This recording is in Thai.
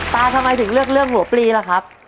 ทำไมถึงเลือกเรื่องหัวปลีล่ะครับ